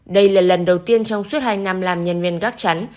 đây là lần đầu tiên trong suốt hai năm làm nhân viên gác chắn